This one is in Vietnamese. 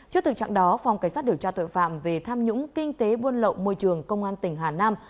trước thực trạng đó phòng cảnh sát điều tra tội phạm về tham nhũng kinh tế buôn lậu môi trường công an tỉnh hà nam